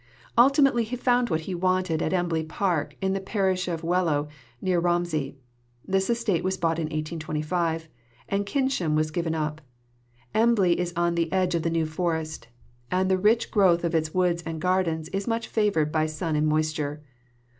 Ultimately he found what he wanted at Embley Park in the parish of Wellow, near Romsey. This estate was bought in 1825, and Kynsham was given up. Embley is on the edge of the New Forest, and the rich growth of its woods and gardens is much favoured by sun and moisture.